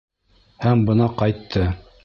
Һәм бына ҡайтты.